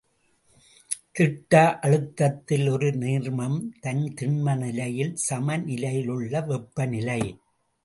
திட்ட அழுத்தத்தில் ஒரு நீர்மம் தன் திண்ம நிலையில் சமநிலையிலுள்ள வெப்பநிலை.